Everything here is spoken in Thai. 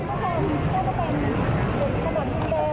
ด้วยการพยายามควบคุมสถานการณ์ไม่ให้ยืดเยอะยาวนานเช่นทั้งที่สามมานะคะ